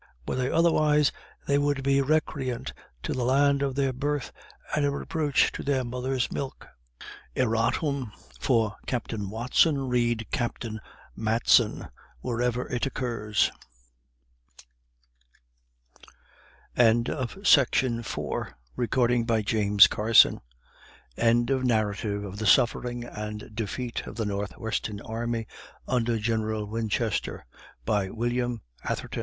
Were they otherwise, they would be recreant to the land of their birth, and a reproach to their mothers' milk." Erratum. For Captain Watson, read Captain Matson, wherever it occurs. End of the Project Gutenberg EBook of Narrative of the Suffering and Defeat of the North Western Army, Under General Winchester, by William Atherton END OF TH